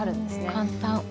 簡単。